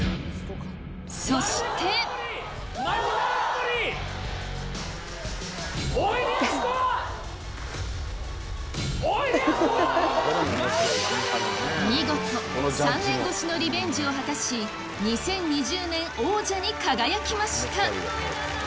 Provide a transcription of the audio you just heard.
そして見事３年越しのリベンジを果たし２０２０年王者に輝きました！